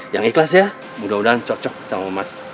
yang ikhlas ya mudah mudahan cocok sama mas